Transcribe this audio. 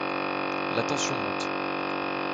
La tension monte.